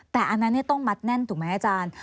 แต่อันนั้นต้องมัดแน่นถูกไหมอาจารย์